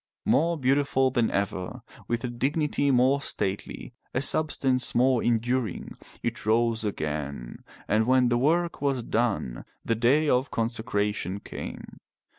More beautiful than ever, with a dignity more stately, a substance more enduring, it rose again, and when the work was done, the day of consecra tion came.